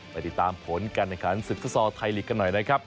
ไปติดตามผลกันนะครับสุทธศทายหลีกกันหน่อยนะครับ